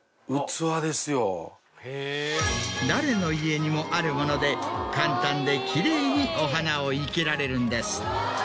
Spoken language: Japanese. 誰の家にもあるもので簡単できれいにお花を生けられるんです。